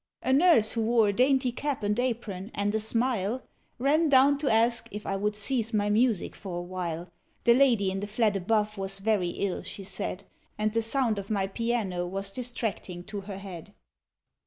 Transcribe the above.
A nurse who wore a dainty cap and apron, and a smile, Ran down to ask if I would cease my music for awhile. The lady in the flat above was very ill, she said, And the sound of my piano was distracting to her head.